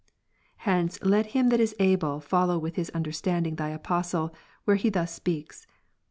Hence let him that is able, follow with his un Rom. 5, derstanding Thy Apostle, where he thus speaks.